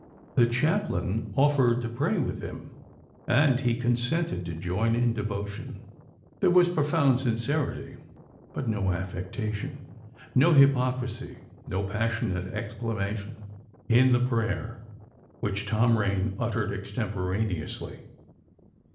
The chaplain offered to pray with him; and he consented to join in devotion. There was profound sincerity—but no affectation, no hypocrisy, no passionate exclamation—in the prayer which Tom Rain uttered extemporaneously.